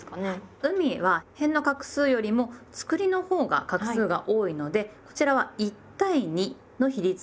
海はへんの画数よりもつくりのほうが画数が多いのでこちらは１対２の比率がベストです。